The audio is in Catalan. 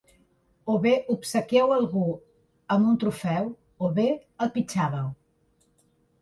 O bé obsequieu algú amb un trofeu o bé el pitjàveu.